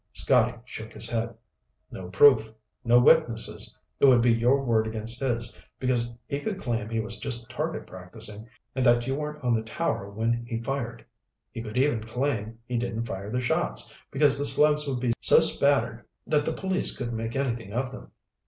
Scotty shook his head. "No proof. No witnesses. It would be your word against his, because he could claim he was just target practicing and that you weren't on the tower when he fired. He could even claim he didn't fire the shots, because the slugs would be so spattered that the police couldn't make anything of them."